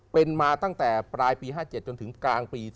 เป็นมาตั้งแต่ปลายปี๕๗จนถึงกลางปี๒๕